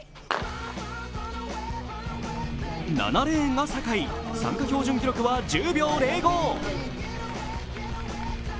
７レーンが坂井、参加標準記録は１０秒０５。